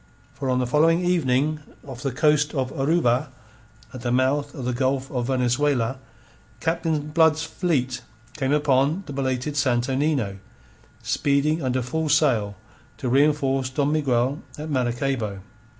For on the following evening, off the coast of Oruba, at the mouth of the Gulf of Venezuela, Captain Blood's fleet came upon the belated Santo Nino, speeding under full sail to reenforce Don Miguel at Maracaybo.